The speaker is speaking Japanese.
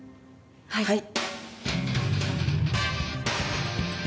はい！